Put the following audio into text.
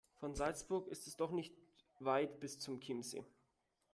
Von Salzburg ist es doch nicht weit bis zum Chiemsee.